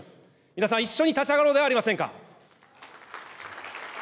皆さん、一緒に立ち上がろうではありませんか。